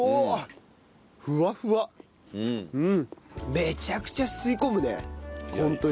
めちゃくちゃ吸い込むねホントに。